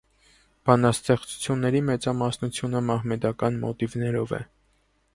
Բանաստեղծությունների մեծամասնությունը մահմեդական մոտիվներով է։